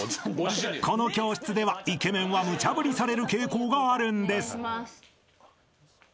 ［この教室ではイケメンはむちゃ振りされる傾向があるんです］